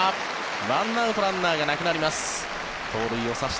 １アウト、ランナーがなくなります。